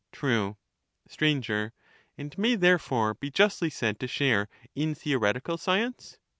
True. Str. And may therefore be justly said to share in theo 260 retical science